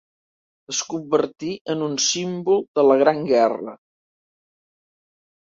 Es convertí en un símbol de la Gran Guerra.